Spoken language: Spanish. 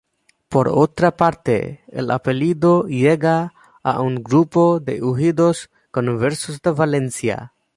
Por otra parte el apellido llega a un grupo de judíos conversos de Valencia.